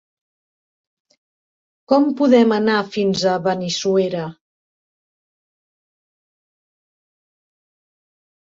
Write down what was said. Com podem anar fins a Benissuera?